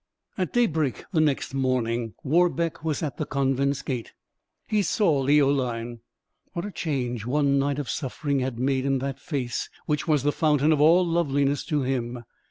At daybreak the next morning, Warbeck was at the convent's gate. He saw Leoline: what a change one night of suffering had made in that face, which was the fountain of all loveliness to him!